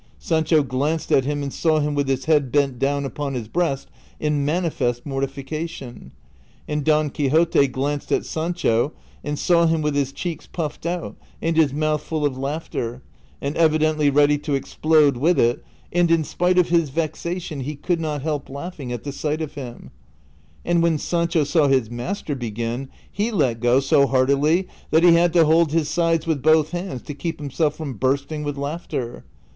Sancho glanced at him and saw him with his head bent down upon his breast in mani fest mortification; and Don Quixote glanced at Sancho and saw him Avith his cheeks puffed out and his mouth full of laughter, and evidently ready to explode with it, and in spite of his vexation he could not help laughing at the sight of him ; and when Sancho saw his master begin he let go so heartily that he had to liold his sides with both hands to keep himself from bursting with laughter.